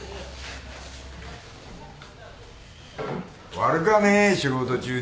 悪かねぇ仕事中に。